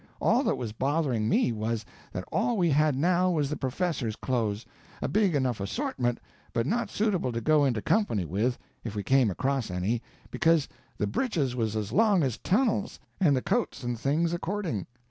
All that was bothering me was, that all we had now was the professor's clothes, a big enough assortment, but not suitable to go into company with, if we came across any, because the britches was as long as tunnels, and the coats and things according.